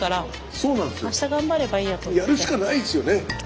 やるしかないですよね！